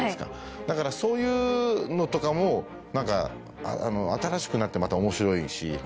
だからそういうのとかも新しくなってまた面白いし。